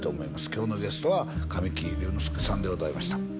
今日のゲストは神木隆之介さんでございました